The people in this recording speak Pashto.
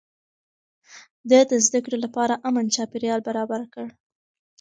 ده د زده کړې لپاره امن چاپېريال برابر کړ.